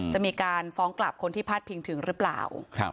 จะมีการฟ้องกลับคนที่พาดพิงถึงหรือเปล่า